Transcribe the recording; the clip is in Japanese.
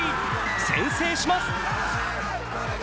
先制します。